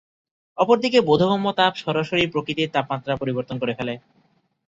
অপরদিকে বোধগম্য তাপ সরাসরি প্রকৃতির তাপমাত্রা পরিবর্তন করে ফেলে।